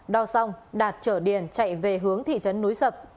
đo xong đạt trở điền chạy về hướng thị trấn núi sập